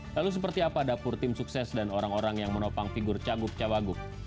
lalu seperti apa dapur tim sukses dan orang orang yang menopang figur cagup cawagup